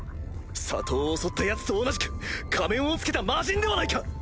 里を襲ったヤツと同じく仮面を着けた魔人ではないか！